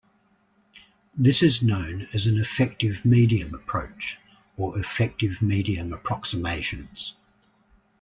This is known as an effective medium approach, or effective medium approximations.